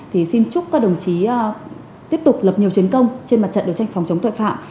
thì xin chúc các đồng chí tiếp tục lập nhiều chiến công trên mặt trận đấu tranh phòng chống tội phạm